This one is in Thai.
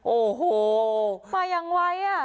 โอ้โหมาอย่างไว